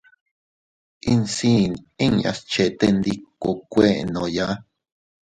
Insiin inñas chetendikokuennooya.